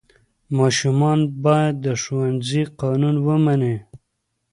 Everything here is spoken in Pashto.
ماشومان باید د ښوونځي قانون ومني.